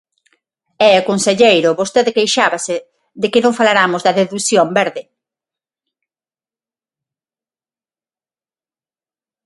E, conselleiro, vostede queixábase de que non falaramos da dedución verde.